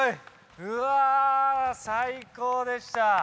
うわ最高でした！